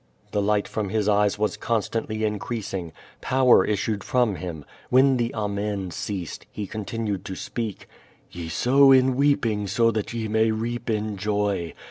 The light from his eyes was constantly increasing. Power issued from him. When the amen ceased, he continued to speak: "Ye sow in weeping so that ye may reap in joy.